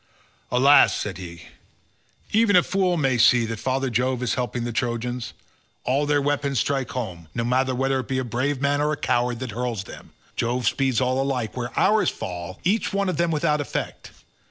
"Alas," said he, "even a fool may see that father Jove is helping the Trojans. All their weapons strike home; no matter whether it be a brave man or a coward that hurls them, Jove speeds all alike, whereas ours fall each one of them without effect.